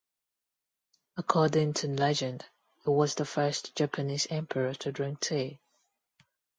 According to legend, he was the first Japanese emperor to drink tea.